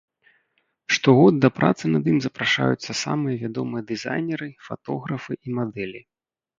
Штогод да працы над ім запрашаюцца самыя вядомыя дызайнеры, фатографы і мадэлі.